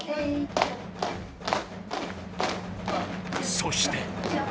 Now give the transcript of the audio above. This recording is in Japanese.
そして。